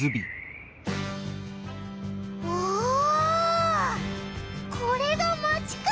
おおこれがマチか！